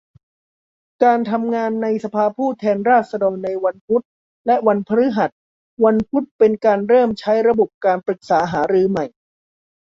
การทำงานในสภาผู้แทนราษฎรในวันพุธ และ วันพฤหัส วันพุธเป็นการเริ่มใช้ระบบการปรึกษาหารือใหม่